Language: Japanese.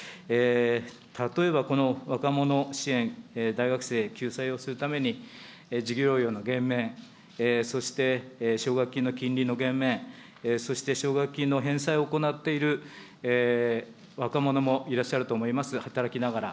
例えばこの若者支援、大学生救済をするために、授業料の減免、そして奨学金の金利の減免、そして奨学金の返済を行っている若者もいらっしゃると思います、働きながら。